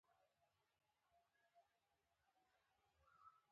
بورکېنا فاسو متل وایي کرکه په بېلتون ختمېږي.